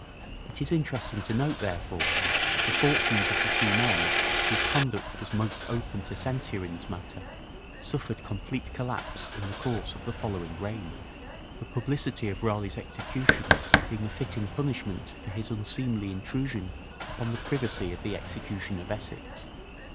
It is interesting to note, therefore, that the fortunes of the two men whose conduct was most open to censure in this matter suffered complete collapse in the course of the following reign ; the publicity of Raleigh's execution being a fitting punishment for his unseemly intrusion upon the privacy of the execution of Essex.